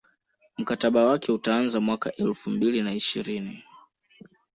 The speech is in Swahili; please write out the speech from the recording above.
mkataba wake utaanza mwaka elfu mbili na ishirini